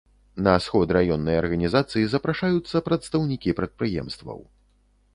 На сход раённай арганізацыі запрашаюцца прадстаўнікі прадпрыемстваў.